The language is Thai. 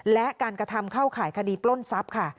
และการกระทำเข้าข่ายคดีปล้นทรัพย์ค่ะ